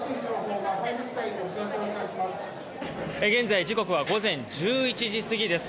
現在、時刻は午前１１時過ぎです。